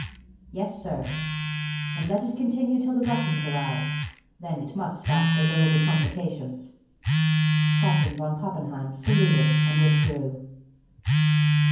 "Yes, sir." "And let it continue till the Russians arrive. Then it must stop, or there will be complications." Captain von Poppenheim saluted, and withdrew.